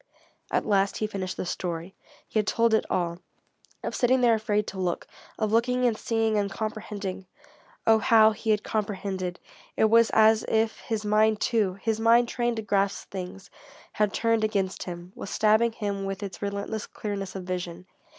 At last he had finished the story. He had told it all; of sitting there afraid to look, of looking and seeing and comprehending. Oh how he had comprehended! It was as if his mind too, his mind trained to grasp things, had turned against him, was stabbing him with its relentless clearness of vision.